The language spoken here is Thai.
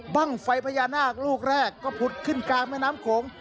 บ้างไฟพญานาคลูกแรกก็ผุดขึ้นกลางแม่น้ำโขง